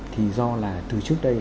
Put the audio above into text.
thì do là từ trước đây